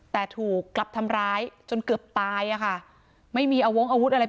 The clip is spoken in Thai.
แต่ถูกกลับทำร้ายจนเกือบตายอ่ะค่ะไม่มีอาวงอาวุธอะไร